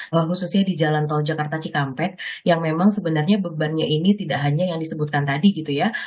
khususnya di jalan tol jakarta cikampek yang memang sebenarnya bebannya ini tidak hanya yang disebutkan tadi gitu ya